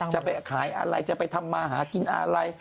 จะไปขายอะไรจะไปทำมาหากินอะไร